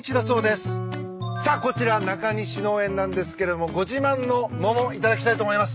さあこちら中西農園なんですけれどもご自慢の桃頂きたいと思います。